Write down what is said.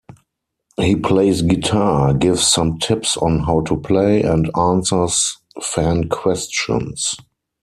He plays guitar, gives some tips on how to play and answers fan questions.